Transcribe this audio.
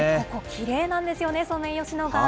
きれいなんですよね、ソメイヨシノが。